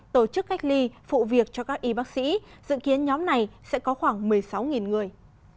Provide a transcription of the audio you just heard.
tổ chức cách ly phụ việc cho các y bác sĩ dự kiến nhóm này sẽ có khoảng một mươi sáu người